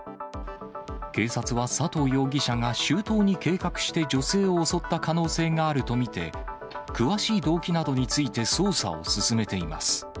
警察は佐藤容疑者が周到に計画して女性を襲った可能性があると見て、詳しい動機などについて捜査を進めています。